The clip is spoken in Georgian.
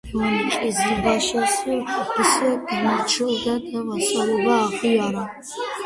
ლევანი ყიზილბაშებს დამორჩილდა და ვასალობა აღიარა.